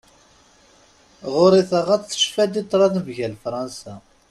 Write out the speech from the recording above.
Ɣur-i taɣaḍt, tecfa-d i tṛad mgal Fransa.